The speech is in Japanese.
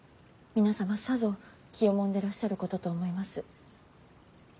皆様さぞ気をもんでらっしゃることと思います。